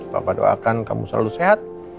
bapak doakan kamu selalu sehat